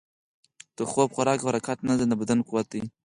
د خوب، خوراک او حرکت نظم، د بدن قوت دی.